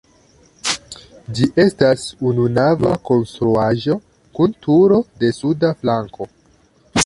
Ĝi estas ununava konstruaĵo kun turo de suda flanko.